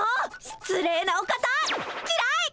失礼なお方！きらい！